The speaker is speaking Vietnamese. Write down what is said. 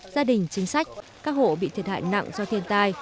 gia đình chính sách các hộ bị thiệt hại nặng do thiên tai